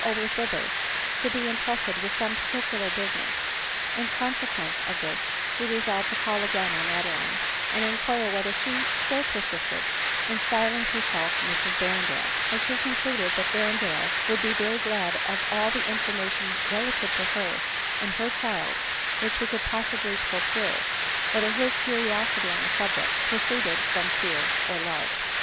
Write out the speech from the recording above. over thither, to be entrusted with some particular business ; in consequence of this he resolved to call again on Ade line, and inquire whether she still persisted in styling her self Mrs Berrendale ; as he concluded that Berrendale would be very glad of all the information relative to her and her child which he could possibly procure, whether his curiosity on the subject proceeded from fear or love.